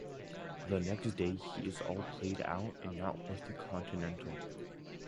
The next day he is all played out and not worth a continental.